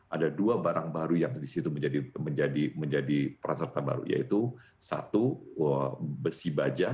ada dua barang baru yang disitu menjadi perasatan baru yaitu satu besi baja